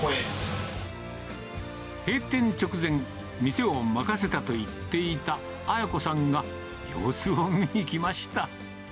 閉店直前、店を任せたと言っていた文子さんが、様子を見に来ました。